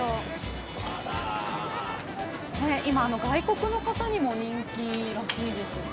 今、外国の方にも人気らしいですが。